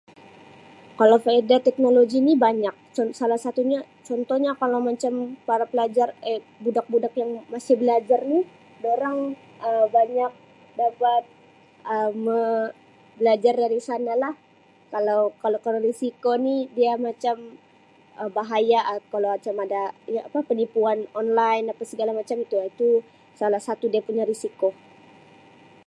Kalau faedah teknologi ni banyak con salah satunya contohnya kalau macam para pelajar Um budak-budak yang masih belajar ni dorang Um banyak dapat Um me belajar dari sanalah kalau-kalau-kalau risiko ni dia macam Um bahaya kalau macam ada Um apa penipuan online apa segala macam tu salah satu dia punya risiko.